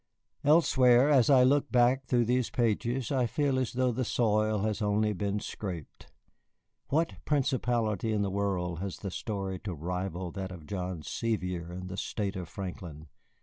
Elsewhere, as I look back through these pages, I feel as though the soil had only been scraped. What principality in the world has the story to rival that of John Sevier and the State of Franklin?